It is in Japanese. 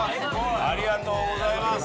ありがとうございます。